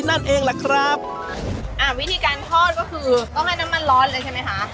นั่นเองล่ะครับอ่าวิธีการทอดก็คือต้องให้น้ำมันร้อนเลยใช่ไหมคะ